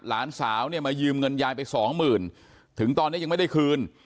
หลานสาววิ่งไม่ยืมเงินยายไป๒๐๐๐๐บาทถึงตอนนี้ยังไม่ได้คืน